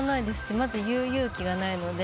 まず言う勇気がないので。